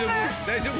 大丈夫？